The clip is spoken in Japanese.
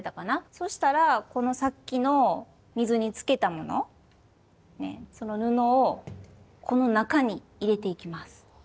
そしたらこのさっきの水につけたものその布をこの中に入れていきます。